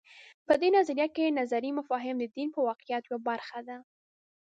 په دې نظریه کې نظري مفاهیم د دین د واقعیت یوه برخه ده.